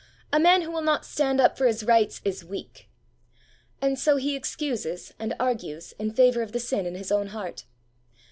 A man who will not stand up for his rights is weak.' And so he excuses and argues in favour of the sin in his own heart.